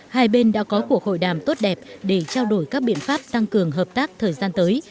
hai bên đã có cuộc hội đàm tốt đẹp để trao đổi các biện pháp tăng cường hợp tác thời gian tới